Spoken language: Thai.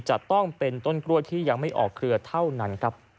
จะต้องเป็นต้นกล้วยที่ยังไม่ออกเครือเท่านั้นครับ